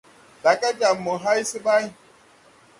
Daga jam mo hay se ɓay.